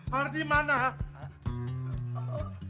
hardi mana sam